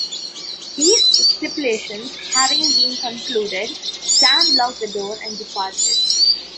These stipulations having been concluded, Sam locked the door and departed.